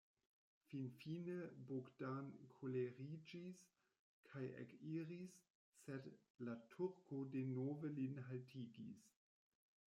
Finfine Bogdan koleriĝis kaj ekiris, sed la turko denove lin haltigis.